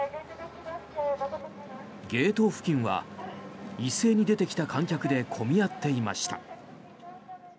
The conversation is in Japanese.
ゲート付近は一斉に出てきた観客で混み合っていました。